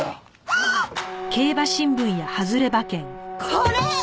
これ！